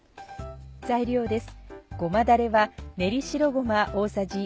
材料です。